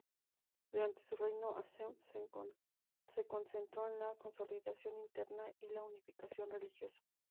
Durante su reino Aceh se concentró en la consolidación interna y la unificación religiosa.